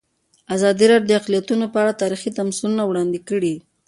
ازادي راډیو د اقلیتونه په اړه تاریخي تمثیلونه وړاندې کړي.